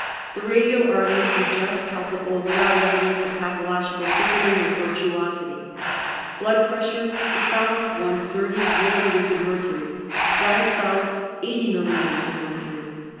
The radial arteries were just palpable, without evidence of pathological thickening or tortuosity. Blood pressure: systolic 130 mm. of mercury, diastolic 80 mm. of mercury.